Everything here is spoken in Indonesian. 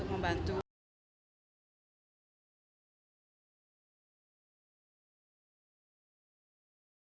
karena makaftu saya dah podcast